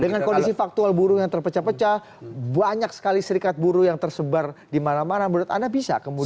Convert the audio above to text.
dengan kondisi faktual buruh yang terpecah pecah banyak sekali serikat buruh yang tersebar di mana mana menurut anda bisa kemudian